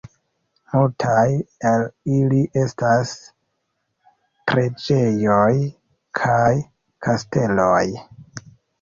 Multaj el ili estas preĝejoj kaj kasteloj.